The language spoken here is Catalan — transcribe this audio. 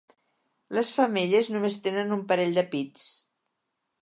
Les femelles només tenen un parell de pits.